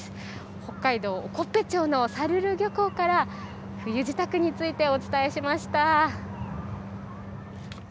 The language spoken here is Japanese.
北海道興部町の沙留漁港から、冬支度についてお伝えしました。